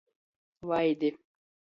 Vaidi.